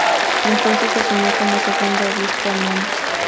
Entonces asumió como segundo obispo mons.